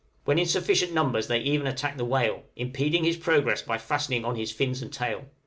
When in sufficient numbers they even attack the whale, impeding his progress by fastening on his fins and tail.